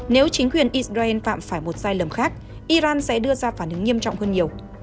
nếu chính quyền israel phạm phải một sai lầm khác iran sẽ đưa ra phản ứng nghiêm trọng hơn nhiều